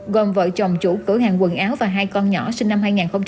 gồm vợ chồng chủ cửa hàng quần áo và hai con nhỏ sinh năm hai nghìn một mươi